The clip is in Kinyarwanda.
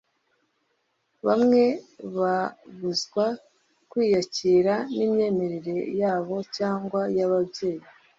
Bamwe babuzwa kwiyakira n’imyemerere yabo cyangwa iy’ababyeyi